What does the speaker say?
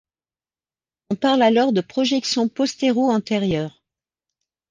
On parle alors de projection postéro-antérieure.